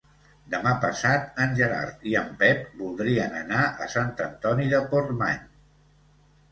Demà passat en Gerard i en Pep voldrien anar a Sant Antoni de Portmany.